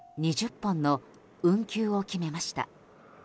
本の運休を決めました。